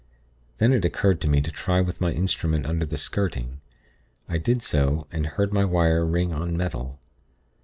Then it occurred to me to try with my instrument under the skirting. I did so, and heard my wire ring on metal.